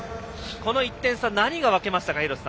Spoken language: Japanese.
この１点差は何が分けましたか？